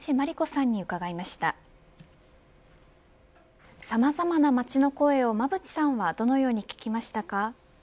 さまざまな街の声を馬渕さんはどのように聞きましたか。